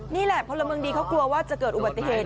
นี่แหละพลเมืองดีเขากลัวว่าจะเกิดอุบัติเหตุ